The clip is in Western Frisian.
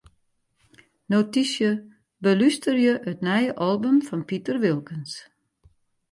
Notysje: Belústerje it nije album fan Piter Wilkens.